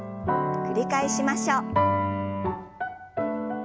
繰り返しましょう。